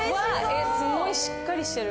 すんごいしっかりしてる。